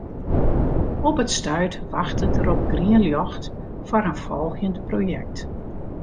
Op it stuit wachtet er op grien ljocht foar in folgjend projekt.